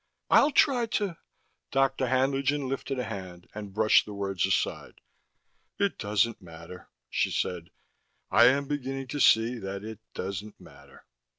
"I'll try to " Dr. Haenlingen lifted a hand and brushed the words aside. "It doesn't matter," she said. "I am beginning to see that it doesn't matter."